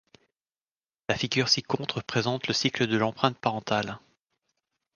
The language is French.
La figure ci-contre présente le cycle de l'empreinte parentale.